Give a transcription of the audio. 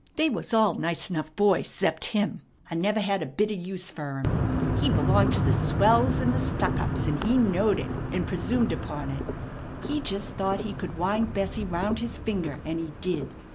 They was all nice enough boys 'cept him. I never had a bit a use fer him. He belonged to the swells and the stuck ups; and he knowed it, and presumed upon it. He jest thought he could wind Bessie round his finger, and he did.